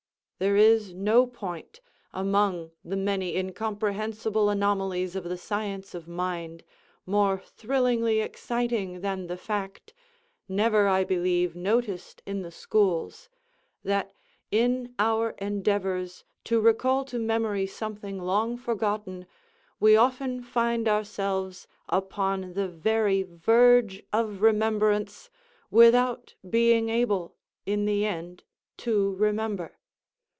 There is no point, among the many incomprehensible anomalies of the science of mind, more thrillingly exciting than the fact—never, I believe, noticed in the schools—that, in our endeavors to recall to memory something long forgotten, we often find ourselves upon the very verge of remembrance, without being able, in the end, to remember.